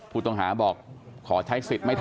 ผู้ต้องหาบอกขอใช้สิทธิ์ไม่ถ